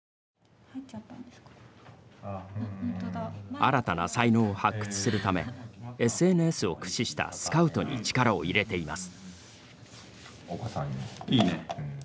新たな才能を発掘するためＳＮＳを駆使したスカウトに力を入れています。